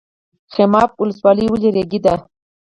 خمیاب ولسوالۍ ولې ریګي ده؟